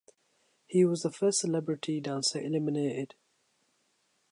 He was the first celebrity dancer eliminated.